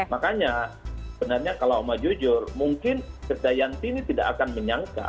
sebenarnya sebenarnya kalau omah jujur mungkin kecayaan sini tidak akan menyangka